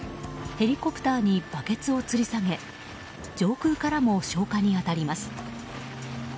ヘリコプターにバケツをつり下げ上空からも消火に当たります。